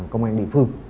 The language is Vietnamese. công an địa phương